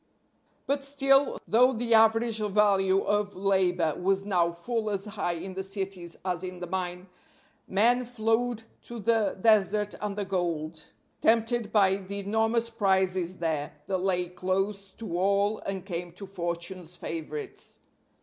But still, though the average value of labor was now full as high in the cities as in the mine, men flowed to the desert and the gold, tempted by the enormous prizes there, that lay close to all and came to fortune's favorites.